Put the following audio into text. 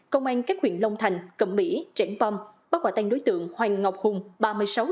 công an các huyện long thành cầm mỹ trẻng pom bác quả tăng đối tượng hoàng ngọc hùng